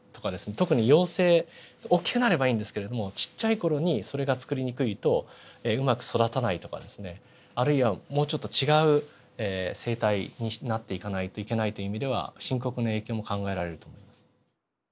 特に幼生おっきくなればいいんですけれどもちっちゃい頃にそれがつくりにくいとうまく育たないとかですねあるいはもうちょっと違う成体になっていかないといけないという意味では深刻な影響も考えられると思います。